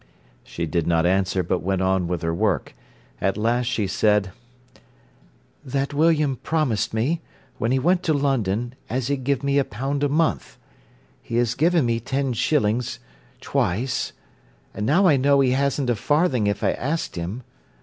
She did not answer, but went on with her work. At last she said: "That William promised me, when he went to London, as he'd give me a pound a month. He has given me ten shillings—twice; and now I know he hasn't a farthing if I asked him.